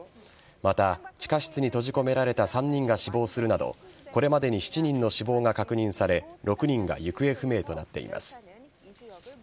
また、地下室に閉じ込められた３人が死亡するなど、これまでに７人の死亡が確認され、６人が行方不明となっています。